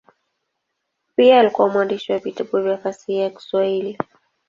Pia alikuwa mwandishi wa vitabu vya fasihi ya Kiswahili.